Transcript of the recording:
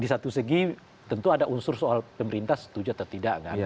di satu segi tentu ada unsur soal pemerintah setuju atau tidak kan